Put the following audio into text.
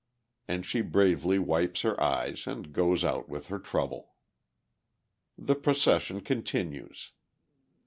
And she bravely wipes her eyes and goes out with her trouble. The procession continues.